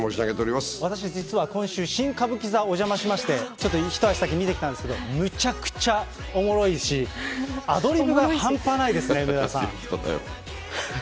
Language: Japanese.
私、実は今週、新歌舞伎座、お邪魔しまして、ちょっと一足先に見てきたんですけど、むちゃくちゃおもろいし、アドリブがはんぱないですね、梅沢さん。